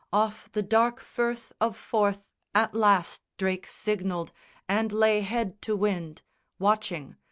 Off the dark Firth of Forth At last, Drake signalled and lay head to wind, Watching.